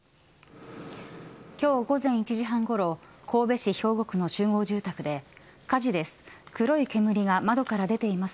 今日午前１時半ごろ神戸市兵庫区の集合住宅で火事です